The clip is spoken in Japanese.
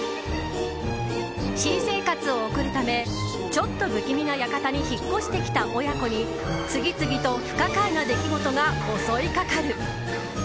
新生活を送るためちょっと不気味な館に引っ越してきた親子に次々と不可解な出来事が襲いかかる。